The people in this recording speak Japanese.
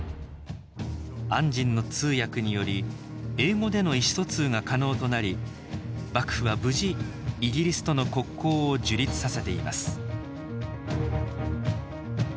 按針の通訳により英語での意思疎通が可能となり幕府は無事イギリスとの国交を樹立させています